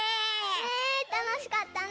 ねえたのしかったね！